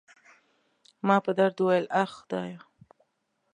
ما په درد وویل: اخ، خدایه.